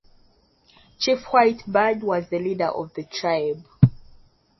Chief White Bird was a leader of the tribe.